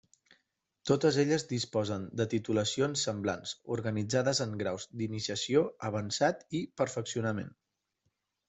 Totes elles disposen de titulacions semblants, organitzades en grau d'iniciació, avançat i perfeccionament.